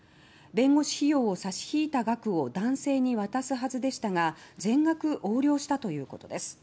弁護士費用を差し引いた額を男性に渡すはずでしたが全額横領したということです。